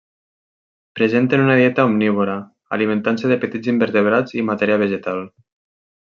Presenten una dieta omnívora, alimentant-se de petits invertebrats i matèria vegetal.